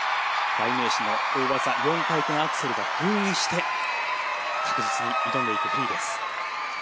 代名詞の大技４回転アクセルは封印して確実に挑んでいくフリーです。